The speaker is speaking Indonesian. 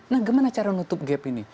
nah bagaimana cara menutup gap ini